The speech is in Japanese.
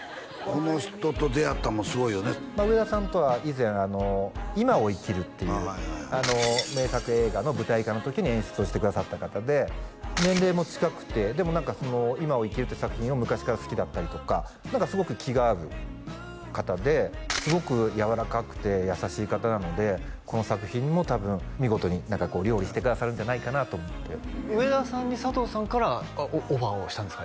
この人と出会ったのもすごいよね上田さんとは以前「いまを生きる」っていう名作映画の舞台化の時に演出をしてくださった方で年齢も近くてでも何か「いまを生きる」っていう作品を昔から好きだったりとか何かすごく気が合う方ですごくやわらかくて優しい方なのでこの作品も多分見事に料理してくださるんじゃないかなと思って上田さんに佐藤さんからオファーをしたんですか？